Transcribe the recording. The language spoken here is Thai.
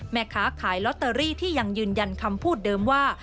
แม่ค้าขายลอตเตอรี่ที่ยังยืนยันคำพูดเดิมว่า